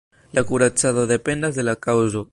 La kuracado dependas de la kaŭzo.